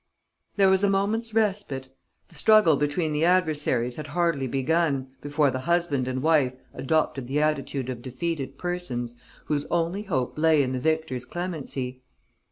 There was a moment's respite. The struggle between the adversaries had hardly begun, before the husband and wife adopted the attitude of defeated persons whose only hope lay in the victor's clemency.